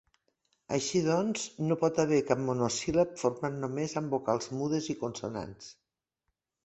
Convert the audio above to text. Així doncs, no pot haver cap monosíl·lab format només amb vocals mudes i consonants.